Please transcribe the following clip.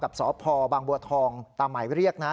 สพบางบัวทองตามหมายเรียกนะ